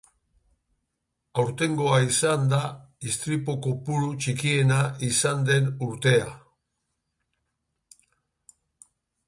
Azken bost urteetan izan den istripu kopuru txikiena izan da aurtengoa.